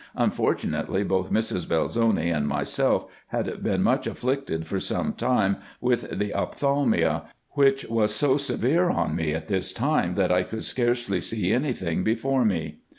Unfortunately, both Mrs. Belzoni and myself had been much afflicted for some time with the ophthalmia, which was so severe on me at this time, that I could scarcely see any thing before me.